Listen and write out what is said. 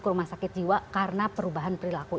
ke rumah sakit jiwa karena perubahan perilaku